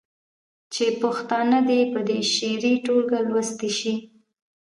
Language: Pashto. چې پښتانه دې په شعوري ټوګه لوستي شي.